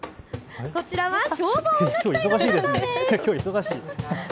こちらは消防音楽隊の皆さんです。